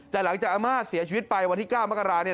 แต่หลังจากอาม่าเสียชีวิตไปวันที่๙มกราเนี่ย